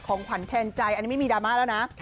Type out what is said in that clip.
ของขวัญแทนใจอันนี้ไม่มีดราม่าแล้วนะ